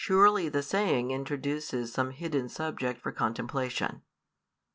Surely the saying introduces some hidden subject for contemplation."